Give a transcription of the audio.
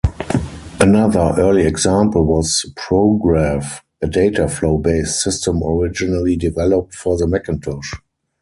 Another early example was Prograph, a dataflow-based system originally developed for the Macintosh.